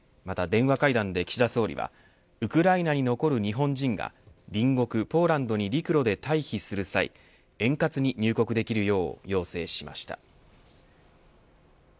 また電話会談で、岸田総理はウクライナに残る日本人が隣国ポーランドに陸路で退避する際円滑に入国できるよう要請しました。